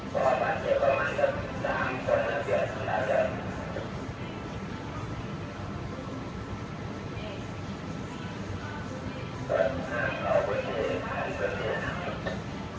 โปรดติดตามตอนต่อไป